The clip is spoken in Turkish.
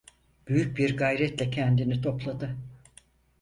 Büyük bir gayretle kendini topladı: